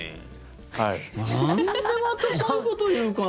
なんで、またそういうこと言うかな。